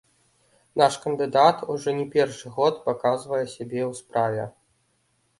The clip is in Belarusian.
Наш кандыдат ужо не першы год паказвае сябе ў справе.